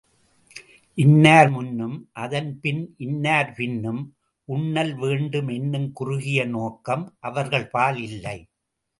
இன்னார் முன்னும், அதன்பின் இன்னார் பின்னும் உண்ணல் வேண்டுமென்னும் குறுகிய நோக்கம் அவர்கள்பால் இல்லை.